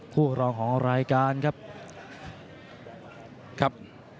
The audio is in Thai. คู่รองของรายการครับครับ